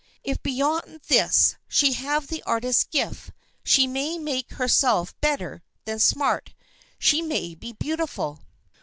If beyond this she have the artist's gift, she may make herself better than "smart," she may be beautiful.